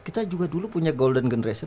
kita juga dulu punya golden generation